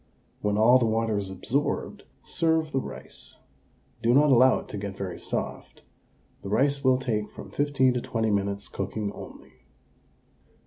When all the water is absorbed, serve the rice. Do not allow it to get very soft; the rice will take from 15 to 20 minutes' cooking only.